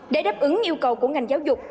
để đáp ứng nhu cầu của ngành giáo dục